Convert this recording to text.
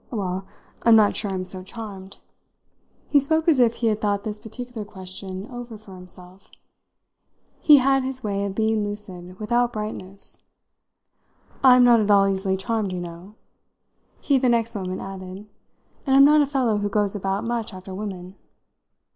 "Well, I'm not sure I'm so charmed." He spoke as if he had thought this particular question over for himself; he had his way of being lucid without brightness. "I'm not at all easily charmed, you know," he the next moment added; "and I'm not a fellow who goes about much after women."